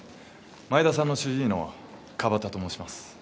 前田さんの主治医の川端と申します。